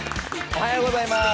おはようございます。